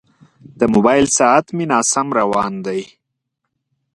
د موبایل ساعت مې ناسم روان دی.